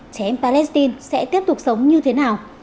trẻ em palestine sẽ tiếp tục sống như thế nào